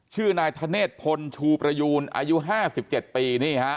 ชื่อนายธเนธพลชูประยูนอายุ๕๗ปีนี่ฮะ